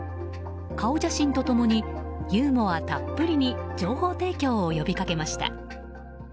顔写真と共にユーモアたっぷりに情報提供を呼びかけました。